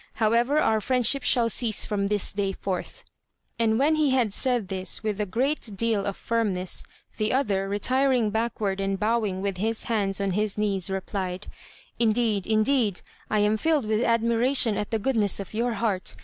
However, our friendship shall cease from this day forth." And when he had said this with a great deal of firmness, the other, retiring backward and bowing with his hands on his knees, replied: "Indeed, indeed, I am filled with admiration at the goodness of your heart.